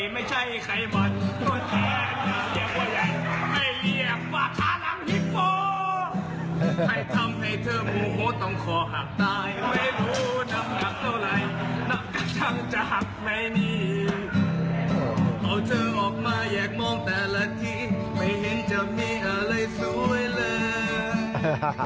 ไม่ให้จะมีอะไรสวยเลย